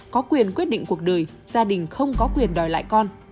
có quyền quyết định cuộc đời gia đình không có quyền đòi lại con